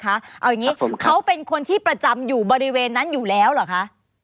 เอาอย่างนี้เขาเป็นคนที่ประจำอยู่บริเวณนั้นอยู่แล้วเหรอคะ